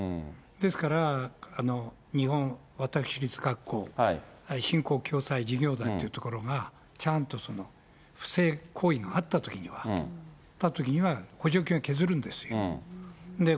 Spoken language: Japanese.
ですから、日本私立学校振興共済事業団というところがちゃんと不正行為があったときには、補助金を削るんですよ。